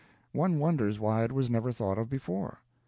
One wonders why it was never thought of before.